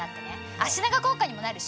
脚長効果にもなるし。